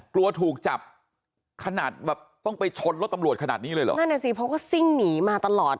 กลัวถูกจับขนาดแบบต้องไปชนรถตำรวจขนาดนี้เลยเหรอนั่นน่ะสิเพราะก็ซิ่งหนีมาตลอด